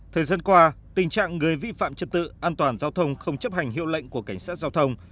thời gian qua tình trạng người vi phạm trật tự an toàn giao thông không chấp hành hiệu lệnh của cảnh sát giao thông